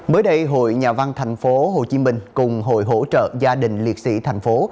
mới đây hội nhà văn thành phố hồ chí minh cùng hội hỗ trợ gia đình liệt sĩ thành phố